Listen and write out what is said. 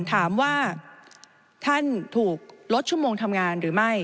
ถามว่าท่านถูกลดชั่วโมงทำงานหรือไม่